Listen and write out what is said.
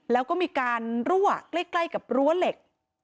แล้วก็มีการรั่วใกล้กับรั้วเหล็ก